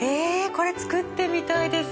これ作ってみたいです。